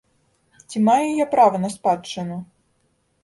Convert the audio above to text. Ці маю я права на спадчыну?